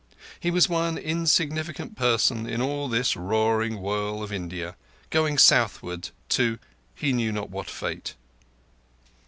He was one insignificant person in all this roaring whirl of India, going southward to he knew not what fate.